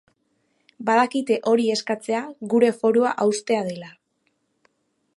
Badakite hori eskatzea gure forua haustea dela.